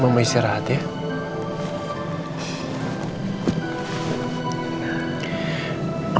mama istirahat ya